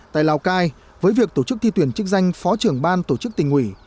tại lào cai với việc tổ chức thi tuyển chức danh phó trưởng ban tổ chức tình nghủy